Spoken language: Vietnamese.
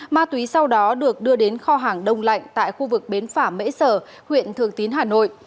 ma túy sau đó được đưa đến kho hàng đông lạnh tại khu vực bến phả mễ sở huyện thường tín hà nội